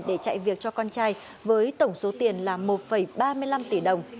để chạy việc cho con trai với tổng số tiền là một ba mươi năm tỷ đồng